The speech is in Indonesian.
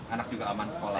anak juga aman sekolah